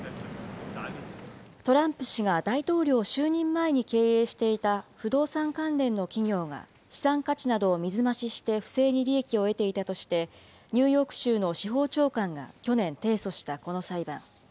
トランプ氏は大統領就任前に経営していた不動産関連の企業が資産価値などを水増しして不正に利益を得ていたとして、ニューヨーク州の司法長官が去年提訴したこの裁判。